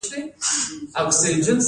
د افغانستان خلک علم خوښوي